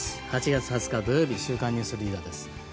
８月２０日、土曜日「週刊ニュースリーダー」です。